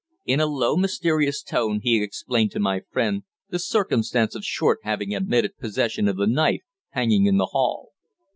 In a low, mysterious tone he explained to my friend the circumstance of Short having admitted possession of the knife hanging in the hall.